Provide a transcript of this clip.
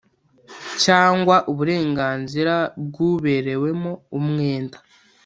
Cyangwa uburenganzira bw uberewemo umwenda